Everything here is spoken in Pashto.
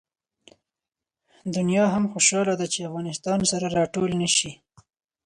دنیا هم خوشحاله ده چې افغانستان سره راټول نه شي.